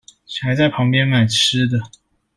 還在旁邊買吃的